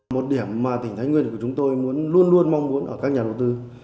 một điểm mà tỉnh thái nguyên của chúng tôi luôn luôn mong muốn ở các nhà đầu tư